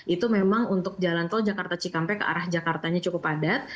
itu memang untuk jalan tol jakarta cikampek ke arah jakartanya cukup padat